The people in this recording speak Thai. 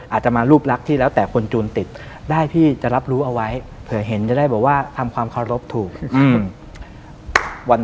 อาจจะมารูบลักษณ์ที่จะแล้วแต่คน